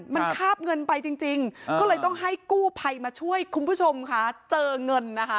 มันคาบเงินไปจริงก็เลยต้องให้กู้ภัยมาช่วยคุณผู้ชมค่ะเจอเงินนะคะ